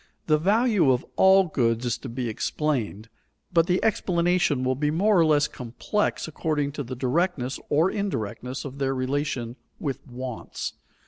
The value of all goods is to be explained, but the explanation will be more or less complex according to the directness or indirectness of their relation with wants.